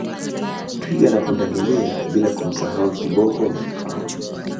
Twiga na Pundamilia bila kumsahau Kiboko na kifaru